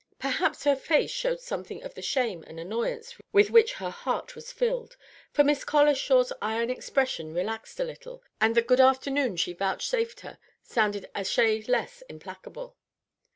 Perhaps her face showed something of the shame and annoyance with which her heart was filled; for Miss Colishaw's iron expression relaxed a little, and the "Good afternoon" she vouchsafed her sounded a shade less implacable.